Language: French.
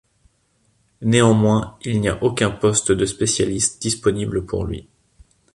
Néanmoins, il n'y a aucun poste de spécialiste disponible pour lui.